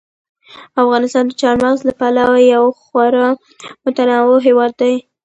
افغانستان د چار مغز له پلوه یو خورا متنوع هېواد دی.